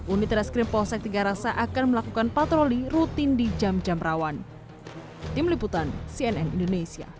unit reskrim polsek tiga rasa akan melakukan patroli rutin di jam jam rawan